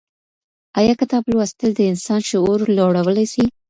آيا کتاب لوستل د انسان شعور لوړولی سي؟